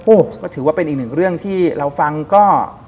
โอ้โหก็ถือว่าเป็นอีกหนึ่งเรื่องที่เราฟังก็